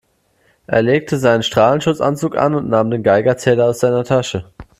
Er legte seinen Strahlenschutzanzug an und nahm den Geigerzähler aus seiner Tasche.